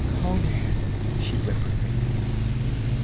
'Conan!' she whimpered faintly.